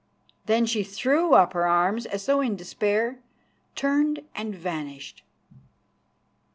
Then she threw up her arms as though in despair, turned and vanished."